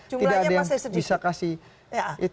jumlahnya masih sedikit